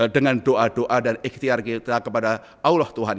dengan doa doa dan ikhtiar kita kepada allah tuhan